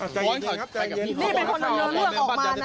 ใจเย็นครับใจเย็น